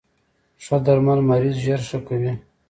ښه درمل مریض زر ښه کوی.